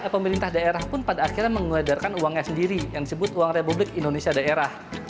pemerintah daerah pun pada akhirnya mengedarkan uangnya sendiri yang disebut uang republik indonesia daerah